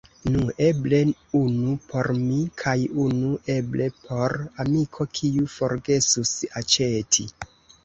Nu, eble unu por mi, kaj unu eble por amiko kiu forgesus aĉeti.